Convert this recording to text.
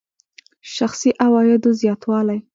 شخصي عوایدو زیاتوالی.